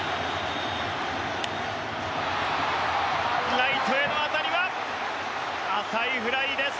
ライトへの当たりは浅いフライです。